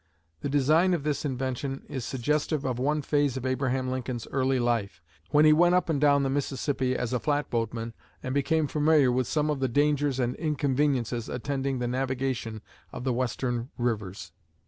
The design of this invention is suggestive of one phase of Abraham Lincoln's early life, when he went up and down the Mississippi as a flatboatman and became familiar with some of the dangers and inconveniences attending the navigation of the western rivers.